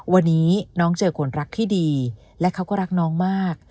วันนี้น้องเจอคนรักที่ดีและเขาก็รักน้องมาก